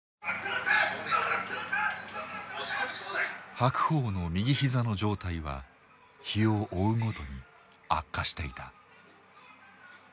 白鵬の右膝の状態は日を追うごとに悪化していた。